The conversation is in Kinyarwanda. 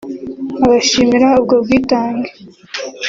abashimira ubwo bwitange